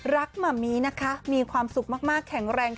หม่ำมี่นะคะมีความสุขมากแข็งแรง